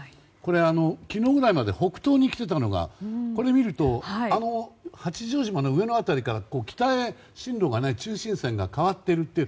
昨日ぐらいまで北東に来ていたのがこれを見ると八丈島の上の辺りから北へ、進路が中心線が変わっているっていう。